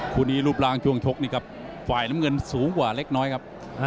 คู่นี้รูปร่างช่วงชกนี่ครับฝ่ายน้ำเงินสูงกว่าเล็กน้อยครับ